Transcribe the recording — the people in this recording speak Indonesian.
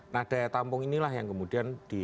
nah daya tampung inilah yang kemudian